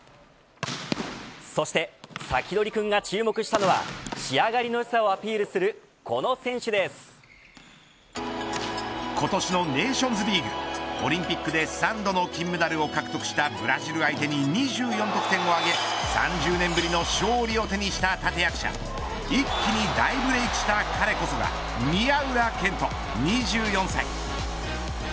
そしてサキドリくんが注目したのは仕上がりの良さをアピールする今年のネーションズリーグオリンピックで３度の金メダルを獲得したブラジル相手に２４得点を挙げ、３０年ぶりの勝利を手にした立役者一気に大ブレークした彼こそが宮浦健人、２４歳。